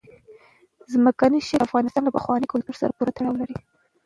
ځمکنی شکل د افغانستان له پخواني کلتور سره پوره تړاو لري.